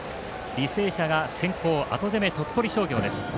履正社が先攻後攻めが鳥取商業。